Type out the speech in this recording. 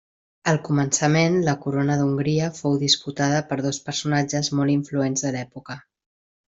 Al començament, la corona d'Hongria fou disputada per dos personatges molt influents de l'època.